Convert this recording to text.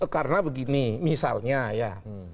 karena begini misalnya ya